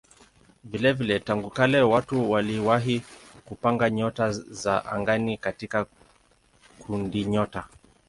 Vilevile tangu kale watu waliwahi kupanga nyota za angani katika kundinyota.